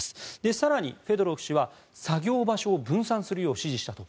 更にフェドロフ氏は作業場所を分散するよう指示したと。